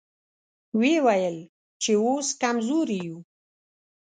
ويې ويل چې اوس کمزوري يو.